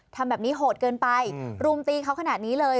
ทำแบบนี้โหดเกินไปรุมตีเขาขนาดนี้เลย